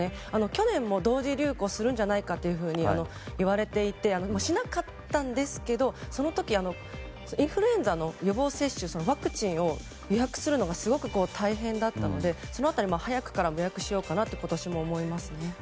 去年も同時流行するんじゃないかっていわれていてしなかったんですけどその時、インフルエンザの予防接種ワクチンを予約するのがすごく大変だったのでその辺りも早くから予約しようかなと思いますね。